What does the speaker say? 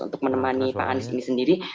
untuk menemani pak anies ini sendiri